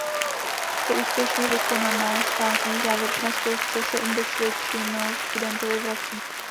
Po úspěšně vykonané státní závěrečné zkoušce se index většinou studentovi vrací.